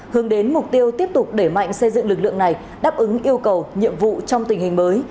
hướng đến mục tiêu tiếp tục để mạnh xây dựng lực lượng này đáp ứng yêu cầu nhiệm vụ trong tình hình mới